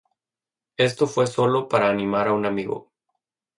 Esto fue sólo para animar a un amigo.